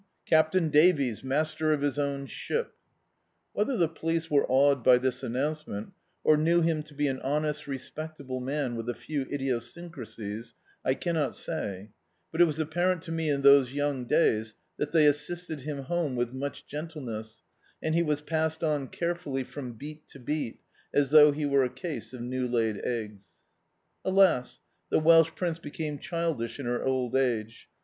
Captain Davies, master of his own ship." Whether the police were awed by this announcement, or knew him to be an honest, respectable man with a few idiosyncrasies, I cannot say; but it was apparent to me in those young days that they assisted him home with much gentleness, and he was passed on care fully from beat to beat, as thou^ he were a case of new laid eggs. Alas! the Welsh Prince became childish in her old age.